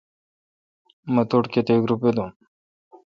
مہ توٹھ کیتیک روپہ دوم۔